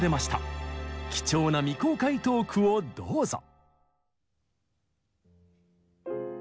貴重な未公開トークをどうぞ。